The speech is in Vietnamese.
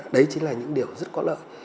đấy chính là những điều rất có lợi